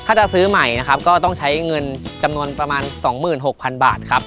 ถ้าจะซื้อใหม่นะครับก็ต้องใช้เงินจำนวนประมาณ๒๖๐๐๐บาทครับ